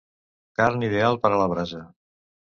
Carn ideal per a la brasa.